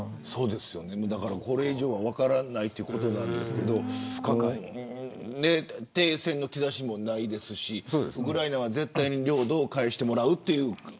これ以上は分からないということですけど停戦の兆しもないしウクライナは絶対に領土を返してもらうという。